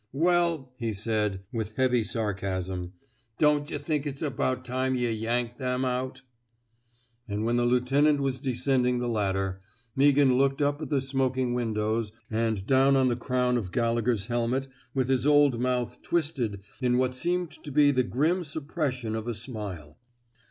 '^ Well," he said, with heavy sarcasm, '^ don't yuh think it's about time yuh yanked them out! " And when the lieutenant was descending the ladder, Meaghan looked up at the smok ing windows and down on the crown of Gialle 245 THE SMOKE EATEES gher's helmet with his old mouth twisted in what seemed to be the grim suppression of a smile.